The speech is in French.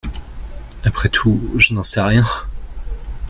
Après tout, je n’en sais rien !